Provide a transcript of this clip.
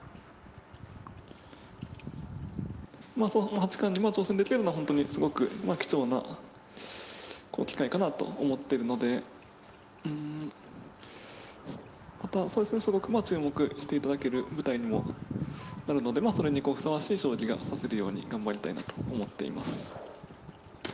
八冠に挑戦できるのはすごく貴重な機会かなと思っているのですごく注目していただける舞台にもなるのでそれにふさわしい将棋が指せるように頑張りたいなと思っています。